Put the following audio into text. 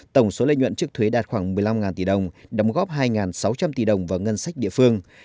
tổng số lợi nhuận trước thuế đạt khoảng một mươi năm tỷ đồng đóng góp hai sáu trăm linh tỷ đồng vào ngân sách địa phương